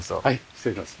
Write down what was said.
失礼します。